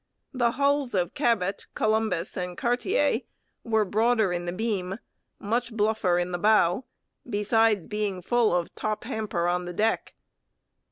The hulls of Cabot, Columbus, and Cartier were broader in the beam, much bluffer in the bow, besides being full of top hamper on the deck.